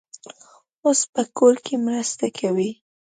اوس په کور کې مرسته کوي.